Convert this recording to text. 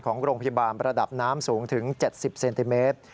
ของโรงพยาบาลระดับน้ำสูงถึง๗๐เซนติเมตร